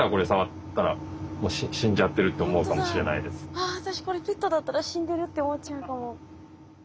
ああ私これペットだったら死んでるって思っちゃうかも。